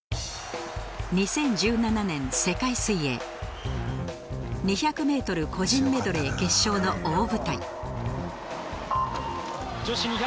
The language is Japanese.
２０１７年世界水泳２００ｍ個人メドレー決勝の大舞台。